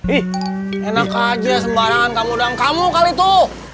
ih enak aja sembarangan kamu dan kamu kali itu